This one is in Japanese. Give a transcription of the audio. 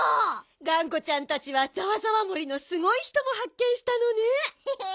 がんこちゃんたちはざわざわ森のすごいひともはっけんしたのね。へへ。